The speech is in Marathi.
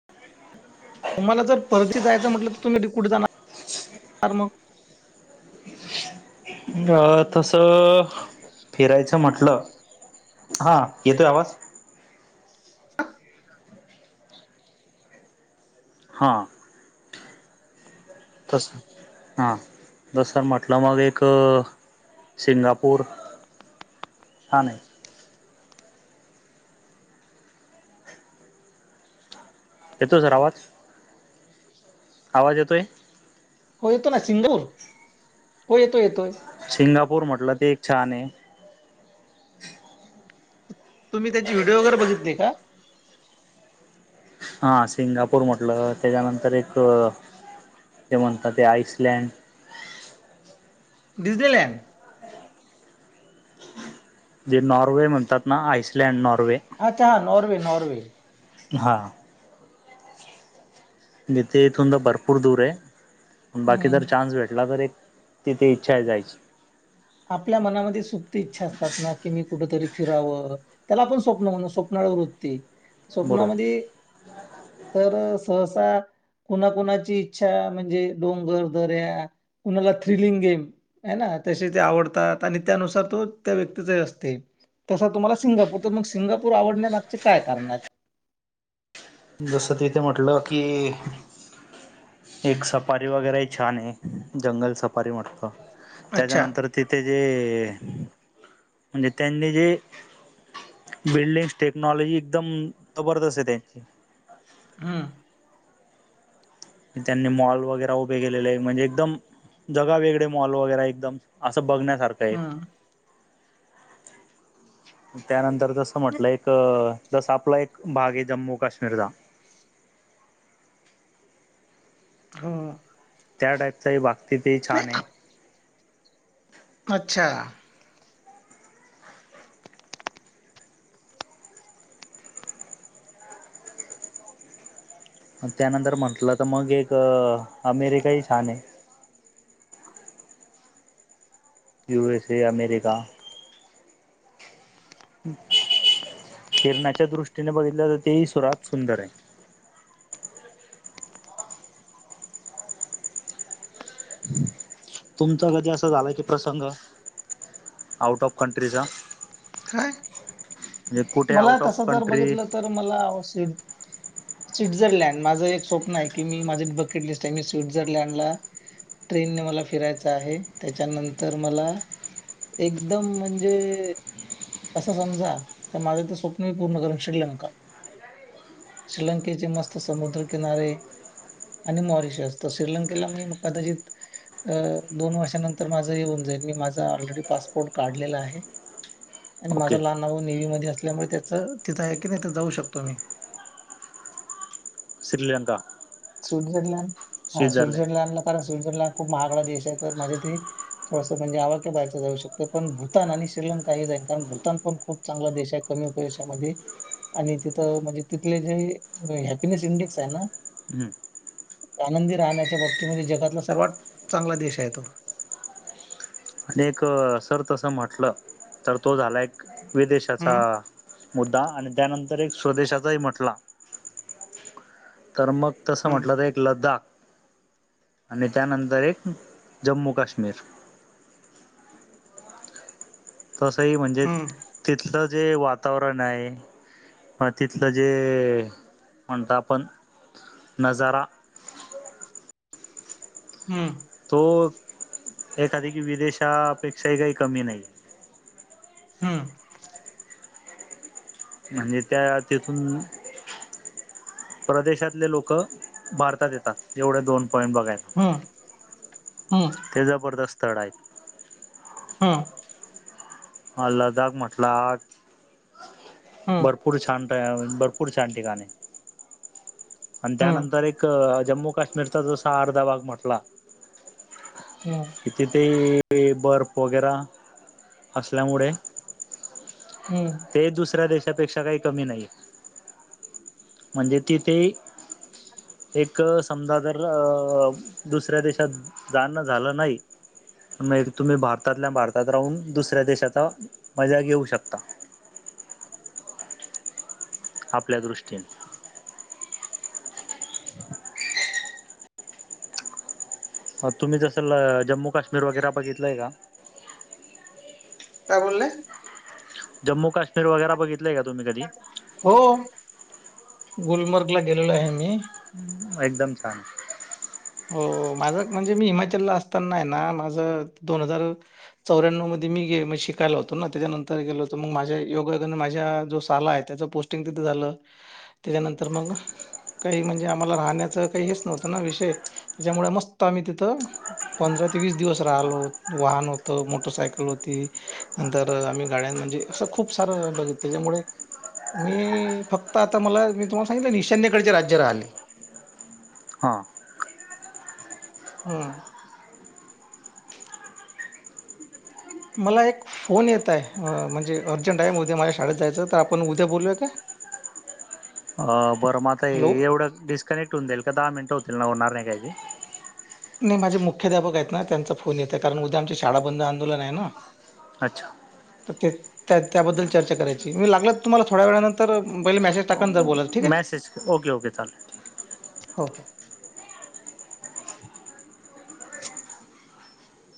[inaudible] तुम्हाला जर परती जायचं म्हटलं तर तुम्ही तिकुठे जाणार मग. अ तसं फिरायचं म्हटलं हा येतोय आवाज [inaudible] हां. तसं हां जसंर म्हटलं मग एक सिंगापूर, ठणे. येतो सर आवाज आवाज येतो आहे. हो येतो ना सिधूर हो येतोय येतोय. सिंगापूर म्हटलं ते एक छान आहे. तुम्ही त्याची व्हिडीओ वगैर बघितले का? हा सिंगापूर म्हटलं त्याच्यानंतर एक जे म्हणतात ते आइसलँड डिजनीलँड जे नॉर्वे म्हणतात ना आइसलँड नॉर्वे अच्छा हां नॉर्वे नॉर्वे हां. नीथे इथून तर भरपूर दूर आहे बाकी हं. जर चान्स भेटला तर एक तिथे इच्छा जायची. आपल्या मनामध्ये सुप्त इच्छा असतात ना की मी कुठतरी फिरावं. त्याला आपण स्वप्न म्हण स्वप्ना वृत्ते बरोबर स्वप्नामध्ये तर सहसा कुणाकुणाची इच्छा म्हणजे डोंगर दर्या कुणाला थ्रिलिंग गेम ह ना तसे ते आवडतात आणि त्यानुसार तो त्या व्यक्तीचा असते. तसा तुम्हाला सिंगापूर तर मग सिंगापूर आवडण्यामागचे काय कारण आहेत. जसं तिथे म्हटलं की एक सफारी वगैरेही छान आहे. जंगल सफारी म्हटत अच्छा. त्याच्यानंतर तिथे जे म्हणजे त्यांनी जे बिल्डिंग्स टेक्नॉलॉजी एकदम जबरदस्त आहे त्यांची हा त्यांनी मॉल वगैरे उभे केलेले म्हणजे एकदम जगा वेगळे मॉल वगैरे एकदम असं बघण्यासारखं हं. त्यानंतर तसं म्हटलं एक जसा आपला एक भाग आहे जम्मू काश्मीरचा हो त्या टाईपचाही बागती ते नाही छान आहे आप अच्छा त्यानंतर म्हटलं तर मग एक अमेरिकाही छान आहे यू एस ए अमेरिका किरणाच्या दृष्टीने बघितलं तर ते सुरात सुंदर आहे तुमचा कधी असं झालंय की प्रसंग आउट ऑफ कंट्रीचा काय म्हणजे कुठे मला आउट तस ऑफ जर कंट्री बघितलं तर मलावश स्वित्झरलँड माझं एक स्वप् आहे की मी माझे बकेट लिस्ट आहे मी स्वित्झरलँड ला ट्रेन ने मला फिरायच आहे त्याच्यानंतर मला एकदम म्हणजे असं समजा तर माझं ते स्वप्न म पूर्ण करून शिडलं म का श्रीलंकेचे मस्त समुद्रकिनारे आणि मॉरिशस तर श्रीलंकेला मी कदाचित अ दोन वर्षानंतर माझं येऊन जाईल मी माझा ऑलरेडी पासपोर्ट काढलेला आहे आणि माझा ओके लहान भाउ नेवी मध्ये असल्यामुळे त्याच तिथं आहे की नाही तिथं जाऊ शकतो मी श्रीलंका स्वित्झरलँड हा स्वित्झर्लंड स्वित्झरलँडला कारण स्वित्झरलंँड खूप महागडा देश आहे तर माझे ते थोडसं म्हणजे आवाक्या बाहेरच जाऊ शकते पण भूतान आणि श्रीलंकाही जाईन कारण भूतान पण खूप चांगला देश आहे कमी पैशामध्ये आणि तिथं म्हणजे, तिथले जे हॅपीनेस इंडेक्स आहे ना. हम्म, आनंदी राहण्याच्या बाबतीमध्ये जगातला सर्वात चांगला देश आहे तो. आणि एक, सर तसं म्हटलं, तर तो झालायऽ विदेशाचा हम्म मुद्दा, आणि त्यानंतर एक स्वदेशाचाही म्हटलाऽ तर मग, तसं हम्म म्हटलं तर एकऽ लद्दाख,, आणि त्यानंतर एक, जम्मू काश्मीर, तसंही म्हणजे, हम्म तिथलं जे वातावरण आहेऽ म तिथलं जे, म्हणतो आपण नजाराऽ हम्म, तो, एखाद की विदेशापेक्षाही काही कमी नाही,, हम, म्हणजे त्या तेिथूनऽ प्रदेशातले लोक भारतात येतात एवढे दोन पॉइंट बघायत हम् ते जबरदस्त स्थळ आहेत हा दाख म्हटला, बर. हम्म हम्म भरपूर छान, भरपूर छान ठिकाणे,, आणि हम्म त्यानंतर एकऽ जम्मू काश्मीरचा जसा अर्धा भाग म्हटलाऽ हम्, तिथे ते बर्फ वगैरेऽ असल्यामुळेऽ हम्म, ते दुसऱ्या देशापेक्षा काही कमी नाही. म्हणजे तिथे, एक समजा, जर अ दुसऱ्या देशात. जाणं झालं नाही. मग तुम्ही भारतातल्या भारतात राहून, दुसऱ्या देशाचा मजा घेऊ शकता. आपल्या दृष्टीन. अवं तुम्ही जसं जम्मू काश्मीर वगैरे बघितलंय का? काय बोलले? जम्मू काश्मीर वगैरा बघितलंय का तुम्ही कधी? हो, गुलमर्ग ला गेलेल आहे मी. एकदम छान. हो, माझं म्हणजे मी, हिमाचलला असताना आहे ना, माझ दोन हजार चौऱ्याण्णव मध्ये मी गे शिकायला होतो ना, त्याच्यानंतर गेल होतो, मग माझ्या योग, माझ्या जो साला आहे. त्याच पोस्ट तीन तिथं झालं. त्याच्यानंतर मग, काही म्हणजे आम्हाला राहण्याचं काही हेच नव्हतं ना, विषय. त्याच्यामुळे मस्त आम्ही तिथं. पंधरा ते वीस दिवस राहिलो,, वाहन होत मोटरसायकल होती. नंतर आम्ही गाड्यां म्हणजे, असं खूप सारं बघितलच्यामुळे मी फक्त आता मला, मी तुम्हाला सांगितलं ना ईशान्यकडचे राज्य राहिले. हा हम, मला एक फोन येत आहे. म्हणजे अर्जंट आहे. माझ्या शाळेत जायचं, तर आपण उद्या बोलूया का? अ बरं मग आता हॅलो. एवढं डिस्कनेक्ट होऊन जाईल का? दहा मिनिट होतील ना, होणार नाही काय ते नाही माझे मुख्याध्यापक आहेत ना, त्यांचा फोन येतेय कारण उद्या आमची शाळा बंद आंदोलन आहे ना. अच्छा. ते त्याबद्दल चर्चा करायची, मी लागल तुम्हाला थोड्या वेळानंतर पहिले मेसेज टाक कज बोलाल ठीक आहे, मॅसेज ओके ओके चालेल हो.